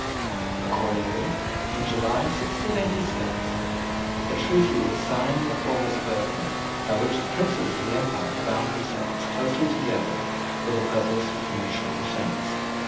Accordingly, in July 1686, a treaty was signed at Augsburg by which the Princes of the Empire bound themselves closely together for the purpose of mutual defence.